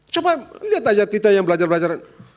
coba lihat aja kita yang belajar belajar